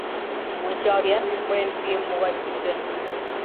Ончал-ян, мыйын пӱем могай пӱсӧ.